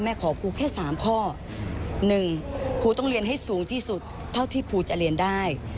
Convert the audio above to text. แม่ขอภูแค่สามข้อหนึ่งภูต้องเรียนให้สูงที่สุดเท่าที่ภูจะเรียนได้